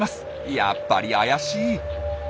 やっぱり怪しい！